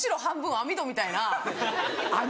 網戸みたいな。